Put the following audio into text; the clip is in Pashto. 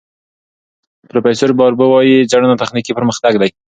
پروفیسور باربور وايي، څېړنه تخنیکي پرمختګ دی.